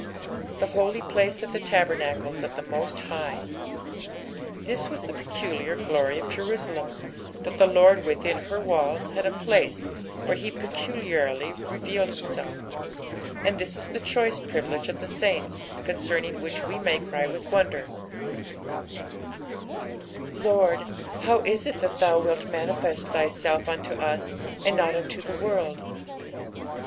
" The holy place qf the tdltemaeUa of the Moit High," This was tbe peculiar glor^ of Jerusalem, that the Lord within her walls had a place where he peculiarly revealed himself, and this is the choice privilege of the saints, concemmg which we may cry with wonder, "lA>rd, how is it that thou wilt manifest thyself unto us, and not unto the world?"